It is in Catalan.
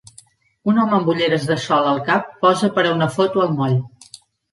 Un home amb ulleres de sol al cap posa per a una foto al moll.